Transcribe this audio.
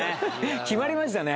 決まりましたね